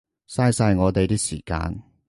嘥晒我哋啲時間